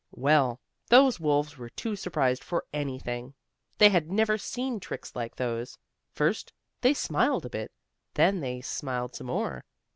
Well, those wolves were too surprised for anything. They had never seen tricks like those. First they smiled a bit. Then they smiled some more.